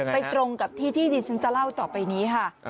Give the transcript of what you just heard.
ตรงกับที่ที่ดิฉันจะเล่าต่อไปนี้ค่ะ